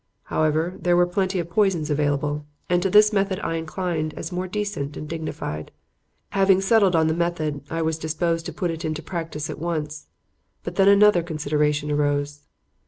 However, there were plenty of poisons available, and to this method I inclined as more decent and dignified. "Having settled on the method, I was disposed to put it into practice at once; but then another consideration arose.